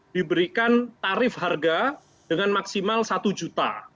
diberikan tarif harga dengan maksimal satu juta